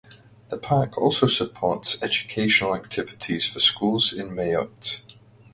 The park also supports educational activities for schools in Mayotte.